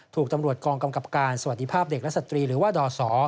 ถูกตำรวจกองกำกับการสวัสดีภาพเด็กและสตรีหรือว่าดศ